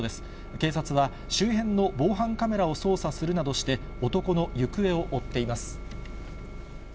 警察は、周辺の防犯カメラを捜査するなどして、男の行方を追っています。